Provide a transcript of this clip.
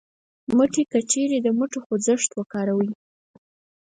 مټې : که چېرې د مټو خوځښت وکاروئ